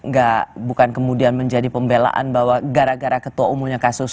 gak bukan kemudian menjadi pembelaan bahwa gara gara ketua umumnya kasus